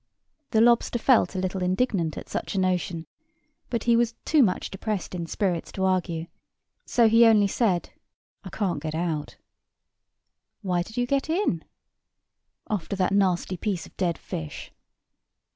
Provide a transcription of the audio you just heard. The lobster felt a little indignant at such a notion, but he was too much depressed in spirits to argue; so he only said, "I can't get out." "Why did you get in?" "After that nasty piece of dead fish."